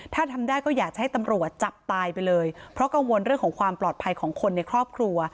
ถ้าทำได้ก็อยากจะให้ตำรวจจับตายไปเลยเพราะกังวลเรื่องของความปลอดภัยของคนในครอบครัว